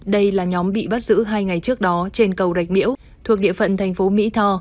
đây là nhóm bị bắt giữ hai ngày trước đó trên cầu rạch miễu thuộc địa phận thành phố mỹ tho